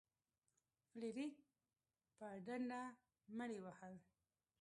فلیریک په ډنډه مړي وهل.